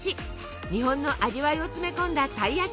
日本の味わいを詰め込んだたい焼き